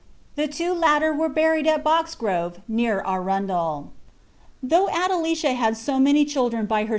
The two latter were buried at Boxgrove, near Arundel. Though Adelicia had so many children by her.